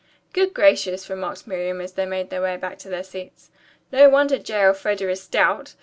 "Good gracious!" remarked Miriam as they made their way back to their seats. "No wonder J. Elfreda is stout!